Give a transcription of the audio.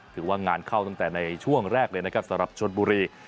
ถือว่างานเข้าตั้งแต่ในช่วงแรกเลยนะครับสำหรับชนบุรี